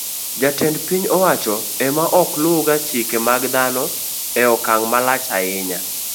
Jotend piny owacho e ma ok luwga chike mag dhano e okang' malach ahinya.